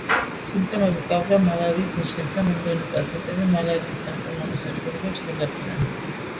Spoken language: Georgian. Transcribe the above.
სიმპტომები ჰგავდა მალარიის ნიშნებს და მომდევნო პაციენტები მალარიის სამკურნალო საშუალებებს იღებდნენ.